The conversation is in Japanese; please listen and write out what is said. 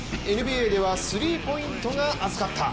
ＮＢＡではスリーポイントが熱かった。